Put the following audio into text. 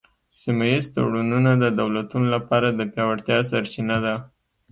سیمه ایز تړونونه د دولتونو لپاره د پیاوړتیا سرچینه ده